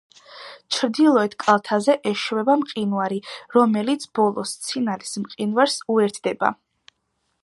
ჩრდილოეთ კალთაზე ეშვება მყინვარი, რომელიც ბოლოს ცინალის მყინვარს უერთდება.